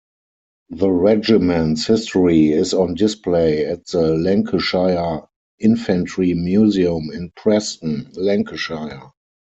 The regiment's history is on display at the Lancashire Infantry Museum in Preston, Lancashire.